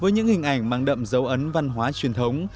với những hình ảnh mang đậm dấu ấn văn hóa truyền thống